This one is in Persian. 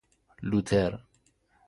لوتر